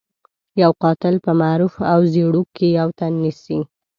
يو قاتل په معروف او زيړوک کې يو تن نيسي.